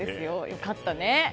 良かったね。